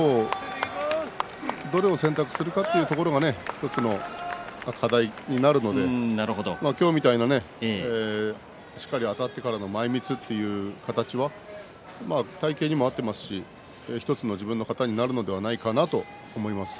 どれを選択するかというところが課題になるんで今日みたいな、しっかりあたってからの前みつという形は体型にも合ってるし１つの自分の形になるんじゃないかなと思います。